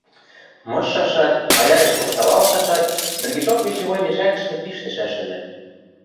Мышшашат, аяреш кошталалшашат, мӹнгешок вещевой мешӓкӹшкӹ пиштӹшӓш ыльы...